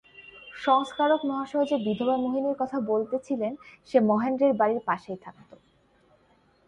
সংস্কারক মহাশয় যে বিধবা মোহিনীর কথা বলিতেছিলেন, সে মহেন্দ্রের বাড়ির পাশেই থাকিত।